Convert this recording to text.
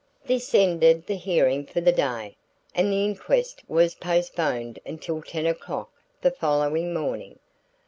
This ended the hearing for the day, and the inquest was postponed until ten o'clock the following morning.